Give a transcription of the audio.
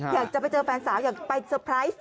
อยากจะไปเจอแฟนสาวอยากไปเตอร์ไพรส์